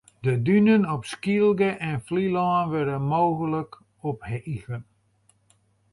De dunen op Skylge en Flylân wurde mooglik ophege.